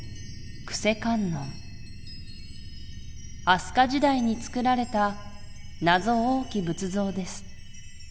飛鳥時代に作られた謎多き仏像です」。